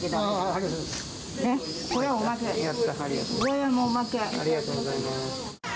ありがとうございます。